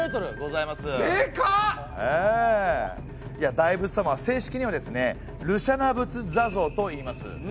大仏様は正式にはですね廬舎那仏坐像といいます。